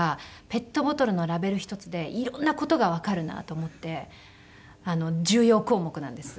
ペットボトルのラベル一つで色んな事がわかるなと思って重要項目なんです。